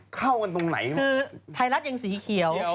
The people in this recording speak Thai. คือไทรัสยังสีเขียว